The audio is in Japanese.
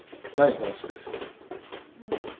このスペース。